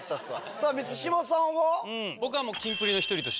さぁ満島さんは？